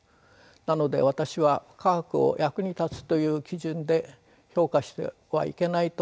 なので私は科学を役に立つという基準で評価してはいけないと思うのです。